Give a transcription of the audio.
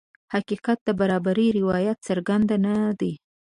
حقیقت د برابرۍ روایت څرګند نه دی.